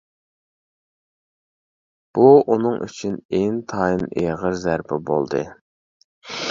بۇ ئۇنىڭ ئۈچۈن ئىنتايىن ئېغىر زەربە بولدى.